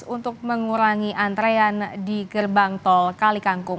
untuk mengurangi antrean di gerbang tol kali kangkung